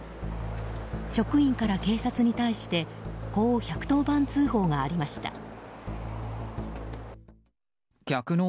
職員から警察に対してこう１１０番通報がありました。